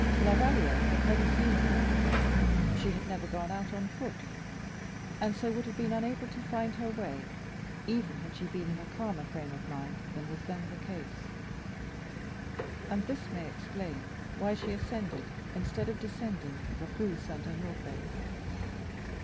La Valliere had never seen Paris, she had never gone out on foot, and so would have been unable to find her way even had she been in a calmer frame of mind than was then the case; and this may explain why she ascended, instead of descending, the Rue St. Honore.